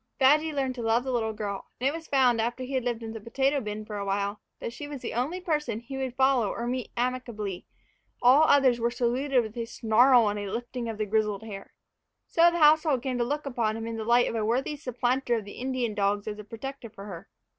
Badgy learned to love the little girl; and it was found, after he had lived in the potato bin for a while, that she was the only person he would follow or meet amicably; all others were saluted with a snarl and a lifting of the grizzled hair. So the household came to look upon him in the light of a worthy supplanter of the Indian dogs as a protector for her.